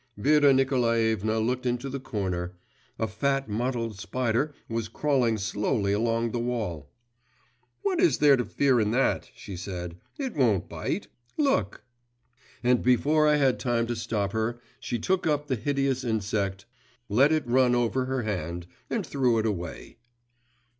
Vera Nikolaevna looked into the corner: a fat mottled spider was crawling slowly along the wall. 'What is there to fear in that?' she said. 'It won't bite, look.' And before I had time to stop her, she took up the hideous insect, let it run over her hand, and threw it away.